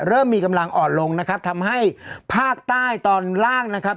เริ่มมีกำลังอ่อนลงนะครับทำให้ภาคใต้ตอนล่างนะครับ